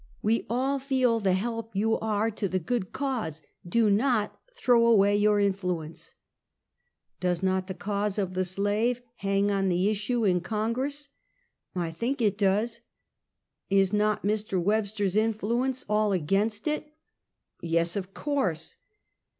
"We all feel the help you are to the good cause. Do not throw away your influence! "" Does not the cause of the slave hang on the issue in Congress? "" I think it does." " Is not Mr. "Webster's influence all against it?" " Yes, of course!"